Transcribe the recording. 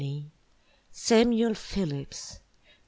Samuel Phillips.